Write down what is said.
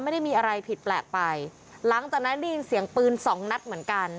ไม่ได้มีอะไรผิดแปลกไปหลังจากนั้นได้ยินเสียงปืนสองนัดเหมือนกัน